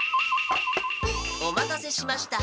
お待たせしました。